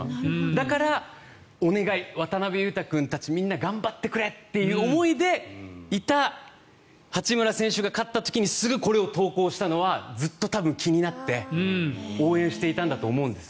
だから、お願い渡邊雄太君たちみんな頑張ってくれという思いでいた八村選手が勝った時にすぐこれを投稿したのはずっと気になって応援していたんだと思うんです。